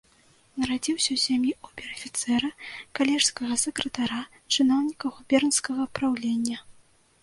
Нарадзіўся ў сям'і обер-афіцэра, калежскага сакратара, чыноўніка губернскага праўлення.